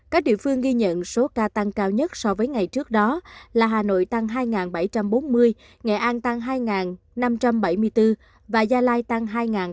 các địa phương ghi nhận số ca tăng cao nhất so với ngày trước đó là hà nội tăng hai bảy trăm bốn mươi nghệ an tăng hai năm trăm bảy mươi bốn và gia lai tăng hai ba trăm sáu mươi ba